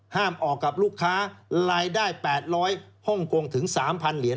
ออกกับลูกค้ารายได้๘๐๐ฮ่องกงถึง๓๐๐เหรียญ